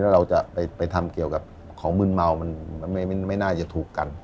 แล้วเราจะไปทำเกี่ยวกับของมืนเมามันไม่น่าจะถูกกัน